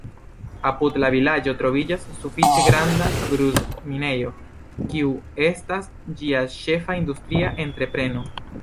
Apud la vilaĝo troviĝas sufiĉe granda gruz-minejo, kiu estas ĝia ĉefa industria entrepreno.